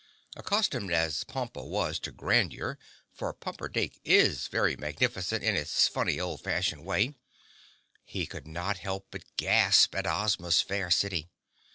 Accustomed as Pompa was to grandeur, for Pumperdink is very magnificent in its funny old fashioned way, he could not help but gasp at Ozma's fair city.